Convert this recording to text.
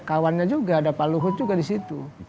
kawannya juga ada pak luhut juga disitu